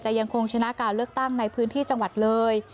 ยังคงชนะการเลือกตั้งในพื้นที่จังหวัดเลย